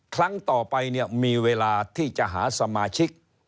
ครั้งต่อไปเนี่ยมีเวลาที่จะหาสมาชิก